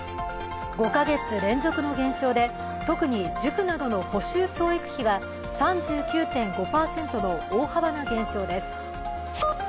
５か月連続の減少で、特に塾などの補習教育費は３９．５％の大幅な減少です。